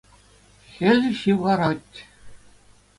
Хӗл ҫывхарать.